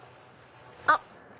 あっ！